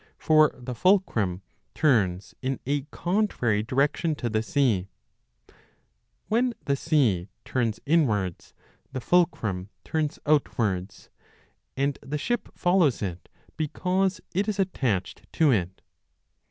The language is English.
For the fulcrum turns in a contrary direction to the sea ; when the sea turns inwards, the fulcrum turns 8si a outwards ; and the ship follows it because it is attached to it.